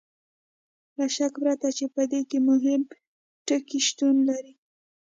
له شک پرته چې په دې کې مهم ټکي شتون لري.